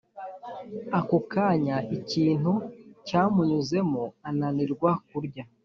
ako kanya ikintu cyamunyuzemo ananirwa kurya